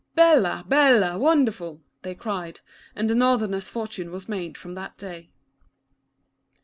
*' Bella, Bella, Wonderful," they cried, and the North erner's fortune was made from that day.